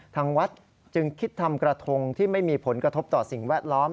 ทางวัดจึงคิดทำกระทงที่ไม่มีผลกระทบต่อสิ่งแวดล้อม